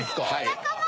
仲間！